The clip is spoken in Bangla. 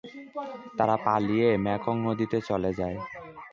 তারা পালিয়ে মেকং নদীতে চলে যায়।